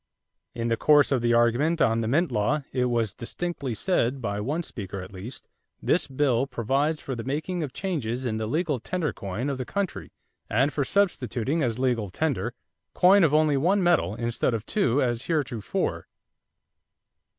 In the course of the argument on the mint law it was distinctly said by one speaker at least: "This bill provides for the making of changes in the legal tender coin of the country and for substituting as legal tender, coin of only one metal instead of two as heretofore."